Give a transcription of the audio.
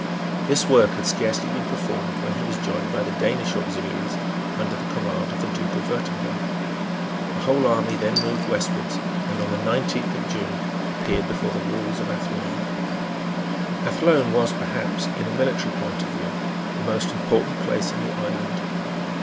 This work had scarcely been performed when he was joined by the Danish auxiliaries under the command of the Duke of Wirtemberg. The whole army then moved westward, and, on the nineteenth of June, appeared before the walls of Athlone. Athlone was perhaps, in a military point of view, the most important place in the island.